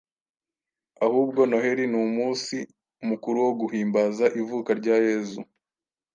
Ahubwo Noheli n'umusi mukuru wo guhimbaza ivuka rya Yezu,